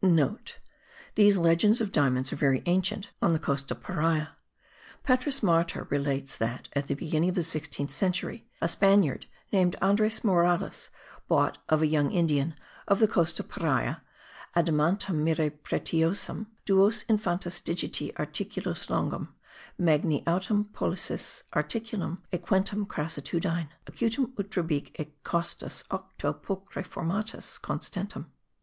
(* These legends of diamonds are very ancient on the coast of Paria. Petrus Martyr relates that, at the beginning of the sixteenth century, a Spaniard named Andres Morales bought of a young Indian of the coast of Paria admantem mire pretiosum, duos infantis digiti articulos longum, magni autem pollicis articulum aequantem crassitudine, acutum utrobique et costis octo pulchre formatis constantem.